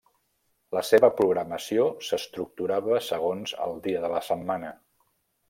La seva programació s'estructurava segons el dia de la setmana.